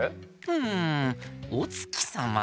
うんおつきさま？